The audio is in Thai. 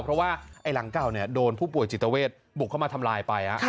เพราะว่าไอ้หลังเก่าโดนผู้ป่วยจิตเวทบุกเข้ามาทำลายไป